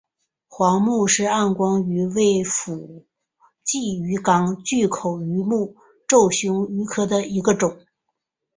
皇穆氏暗光鱼为辐鳍鱼纲巨口鱼目褶胸鱼科的其中一种。